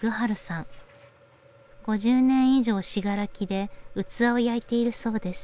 ５０年以上信楽で器を焼いているそうです。